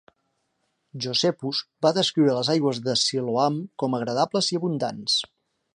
Josephus va descriure les aigües de Siloam com agradables i abundants.